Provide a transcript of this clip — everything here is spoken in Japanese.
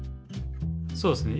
そうですね。